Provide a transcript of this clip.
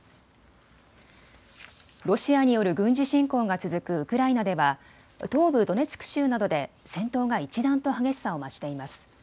ロシアによる軍事侵攻が続くウクライナでは東部ドネツク州などで戦闘が一段と激しさを増しています。